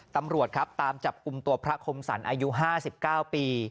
ตำรวจครับตามจับกลุ่มตัวพระคมสรรอายุ๕๙ปี